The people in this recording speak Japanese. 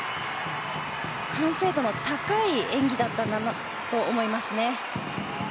完成度の高い演技だったと思いますね。